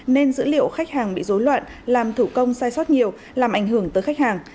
nên dữ liệu khách hàng bị dối loạn làm thủ công sai sót nhiều làm ảnh hưởng tới khách hàng